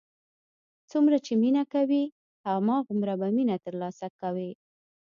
څومره چې مینه کوې، هماغومره به مینه تر لاسه کوې.